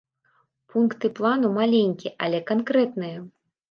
Пункты плану маленькія, але канкрэтныя.